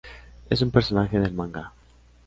Es un personaje del manga.